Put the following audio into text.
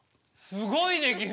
すごいね君！